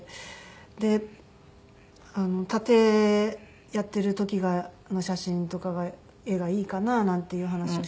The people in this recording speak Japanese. で殺陣やっている時の写真とかが絵がいいかななんていう話を。